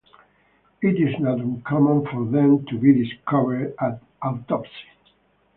It is not uncommon for them to be discovered at autopsy.